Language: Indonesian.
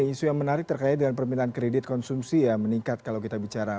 isu yang menarik terkait dengan permintaan kredit konsumsi ya meningkat kalau kita bicara